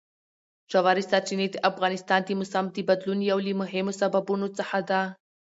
ژورې سرچینې د افغانستان د موسم د بدلون یو له مهمو سببونو څخه ده.